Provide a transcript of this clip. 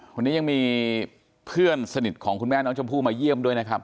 วันนี้ยังมีเพื่อนสนิทของคุณแม่น้องชมพู่มาเยี่ยมด้วยนะครับ